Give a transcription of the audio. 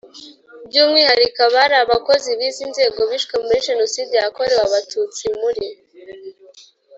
by umwihariko abari abakozi b izi nzego bishwe muri Jenoside yakorewe Abatutsi muri